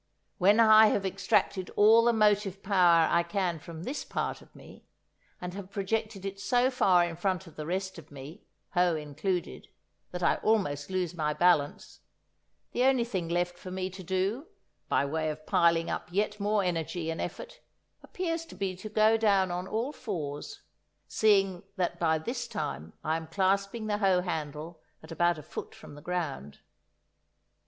When I have extracted all the motive power I can from this part of me, and have projected it so far in front of the rest of me—hoe included—that I almost lose my balance, the only thing left for me to do, by way of piling up yet more energy and effort, appears to be to go down on all fours, seeing that by this time I am clasping the hoe handle at about a foot from the ground.